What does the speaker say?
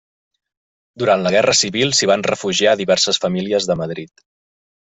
Durant la Guerra Civil s'hi van refugiar diverses famílies de Madrid.